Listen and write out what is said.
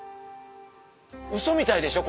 うそみたいでしょ？